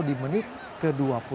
di menit ke dua puluh